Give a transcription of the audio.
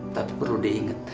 tapi perlu diinget